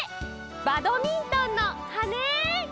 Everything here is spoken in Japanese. バドミントンのはね！